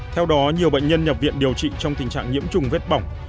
theo đó nhiều bệnh nhân nhập viện điều trị trong tình trạng nhiễm trùng vết bỏng